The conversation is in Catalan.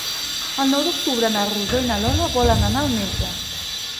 El nou d'octubre na Rosó i na Lola volen anar al metge.